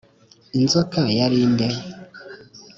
inzoka yari nde?